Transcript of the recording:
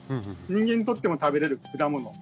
人間にとっても食べれる果物。